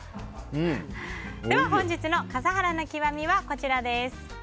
本日の笠原の極みはこちらです。